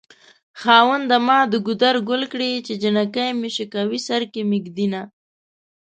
خاونده ما د ګودر ګل کړې چې جنکۍ مې شوکوي سر کې مې ږدينه